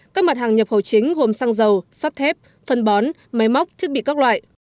các mặt hàng nhập khẩu chính gồm xăng dầu sắt thép phân bón máy móc thiết bị các loại